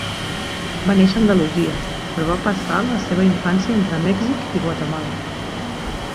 Va néixer a Andalusia, però va passar la seva infància entre Mèxic i Guatemala.